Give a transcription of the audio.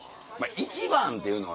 １番っていうのはね